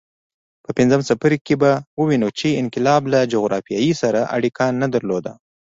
په پنځم څپرکي کې به ووینو چې انقلاب له جغرافیې سره اړیکه نه درلوده.